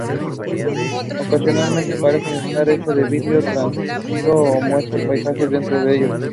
Ocasionalmente, parecen estar hechas de vidrio translúcido o muestran paisajes dentro de ellos.